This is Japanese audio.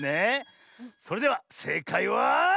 それではせいかいは。